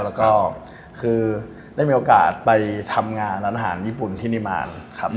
แล้วก็คือได้มีโอกาสไปทำงานร้านอาหารญี่ปุ่นที่นิมานครับ